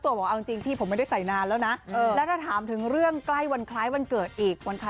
หรือเปล่าจริงก็ไม่ได้ไปเรือกระบวงคาเลสนะ